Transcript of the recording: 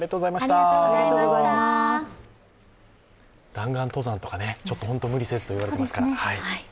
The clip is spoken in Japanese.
弾丸登山とか本当、無理せずといわれていますから。